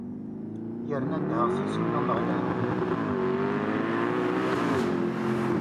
Yerna ad nedheɣ s yisem n Umeɣlal!